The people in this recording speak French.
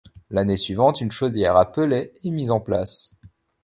L'année suivante une chaudière à pellets est mise en place.